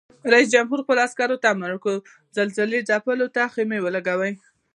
رئیس جمهور خپلو عسکرو ته امر وکړ؛ زلزله ځپلو ته خېمې ولګوئ!